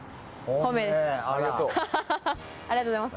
ハハハ、ありがとうございます。